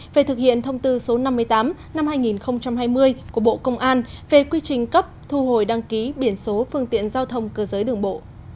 về thực hiện thông tư số năm mươi tám năm hai nghìn hai mươi của bộ công an về quy trình cấp thu hồi đăng ký biển số phương tiện giao thông cơ giới đường bộ